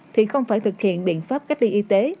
thì không phải thực hiện biện pháp cách ly y tế